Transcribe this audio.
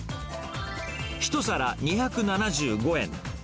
１皿２７５円。